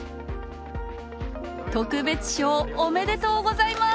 おめでとうございます！